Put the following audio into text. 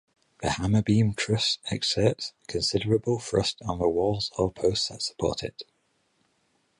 The hammerbeam truss exerts considerable thrust on the walls or posts that support it.